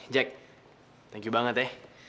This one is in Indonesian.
jack thank you banget ya